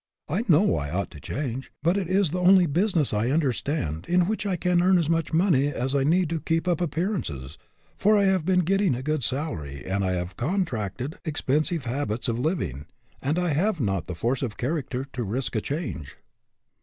I know I ought to change, but it is the only business I understand in which I can earn as much money as I need to keep up appearances, for I have been get ting a good salary and have contracted ex pensive habits of living, and I have not th( force of character to risk a change."